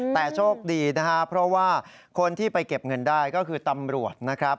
แต่โชคดีนะครับเพราะว่าคนที่ไปเก็บเงินได้ก็คือตำรวจนะครับ